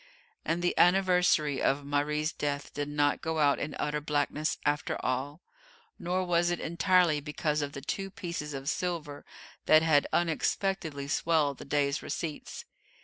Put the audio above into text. And the anniversary of Marie's death did not go out in utter blackness after all; nor was it entirely because of the two pieces of silver that had unexpectedly swelled the day's receipts.